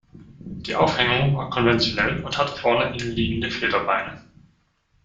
Die Aufhängung war konventionell und hatte vorne innenliegende Federbeine.